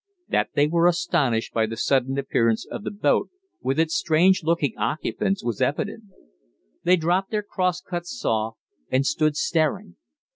That they were astonished by the sudden appearance of the boat with its strange looking occupants, was evident. They dropped their crosscut saw, and stood staring.